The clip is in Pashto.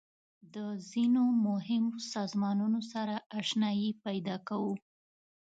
د ځینو مهمو سازمانونو سره آشنایي پیدا کوو.